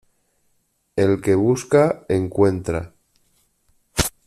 El que busca encuentra.